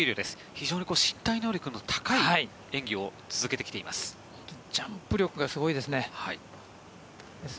非常に身体能力の高い演技を続けてきています。